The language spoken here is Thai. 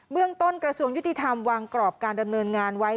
เรื่องต้นกระทรวงยุติธรรมวางกรอบการดำเนินงานไว้